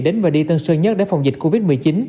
đến và đi tân sơn nhất để phòng dịch covid một mươi chín